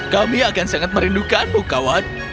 kami akan sangat merindukanmu kawan